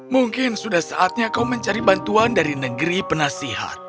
mungkin sudah saatnya kau mencari bantuan dari negeri penasihat